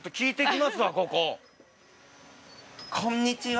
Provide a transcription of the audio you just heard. こここんにちは・